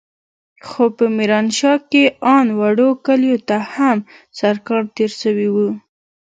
خو په ميرانشاه کښې ان وړو کليو ته هم سړکان تېر سوي وو.